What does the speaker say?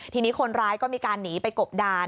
ทีนี้คนร้ายก็มีการหนีไปกบดาน